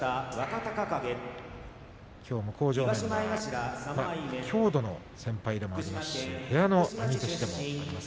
きょう向正面は郷土の先輩でもあります部屋の兄弟子でもあります